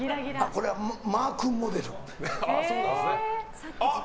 これはマー君モデル。